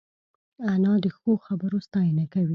انا د ښو خبرو ستاینه کوي